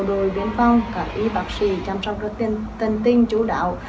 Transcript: bộ đội biên phòng cả y bác sĩ chăm sóc rất tân tinh chú đạo